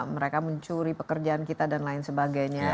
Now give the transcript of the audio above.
mereka mencuri pekerjaan kita dan lain sebagainya